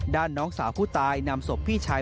น้องสาวผู้ตายนำศพพี่ชาย